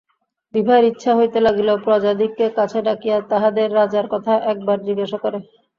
বিভার ইচ্ছা হইতে লাগিল, প্রজাদিগকে কাছে ডাকিয়া তাহাদের রাজার কথা একবার জিজ্ঞাসা করে।